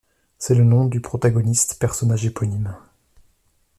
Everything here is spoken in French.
C'est le nom du protagoniste, personnage éponyme.